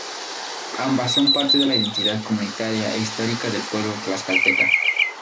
Ambas son parte de la identidad comunitaria e histórica del pueblo tlaxcalteca.